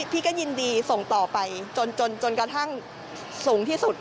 พี่ก็ยินดีส่งต่อไปจนกระทั่งสูงที่สุด